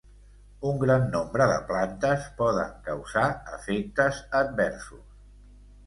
Un gran nombre de plantes poden causar efectes adversos.